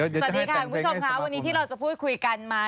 สวัสดีค่ะคุณผู้ชมค่ะวันนี้ที่เราจะพูดคุยกันมา